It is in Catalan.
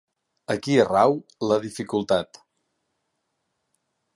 Aquí rau la dificultat